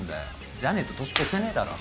じゃねえと年越せねえだろ。